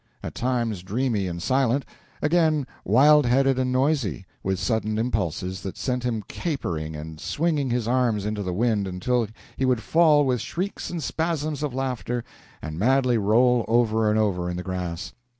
At times dreamy and silent, again wild headed and noisy, with sudden impulses that sent him capering and swinging his arms into the wind until he would fall with shrieks and spasms of laughter and madly roll over and over in the grass.